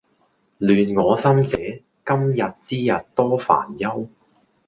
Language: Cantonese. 亂我心者，今日之日多煩憂